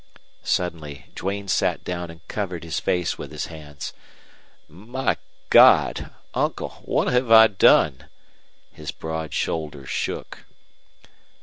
Suddenly Duane sat down and covered his face with his hands. "My God! Uncle, what have I done?" His broad shoulders shook.